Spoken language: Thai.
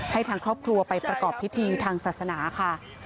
ทางครอบครัวไปประกอบพิธีทางศาสนาค่ะ